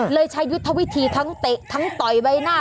ใช้ยุทธวิธีทั้งเตะทั้งต่อยใบหน้า